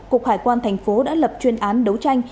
cục hải quan thành phố đã lập chuyên án đấu tranh